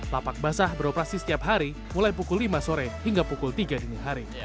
lapak basah beroperasi setiap hari mulai pukul lima sore hingga pukul tiga dini hari